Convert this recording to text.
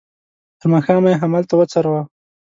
تر ماښامه یې همالته وڅروه.